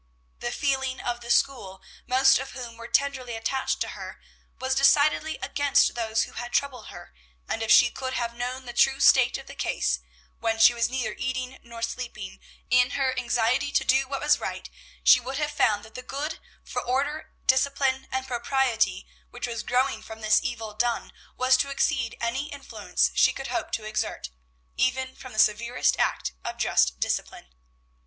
The feeling of the school, most of whom were tenderly attached to her, was decidedly against those who had troubled her; and if she could have known the true state of the case, when she was neither eating nor sleeping, in her anxiety to do what was right, she would have found that the good for order, discipline, and propriety, which was growing from this evil done, was to exceed any influence she could hope to exert, even from the severest act of just discipline.